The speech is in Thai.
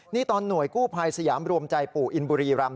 นี่ตอนหน่วยกู้ภัยสยามรวมใจปู่อินบุรีรำ